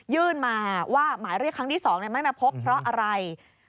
ยื่นมาว่าหมายเรียกครั้งที่๒ไม่มาพบเพราะอะไร